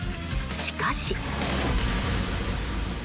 しかし。